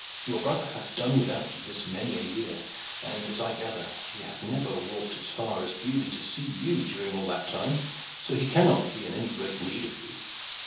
Your brother hath done without you this many a year, and, as I gather, he hath never walked as far as Beaulieu to see you during all that time, so he cannot be in any great need of you."